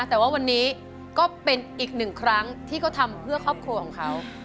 แต่ว่าวันนี้ก็เป็นอีกหนึ่งครั้งที่เขาทำเพื่อครอบครัวของเขา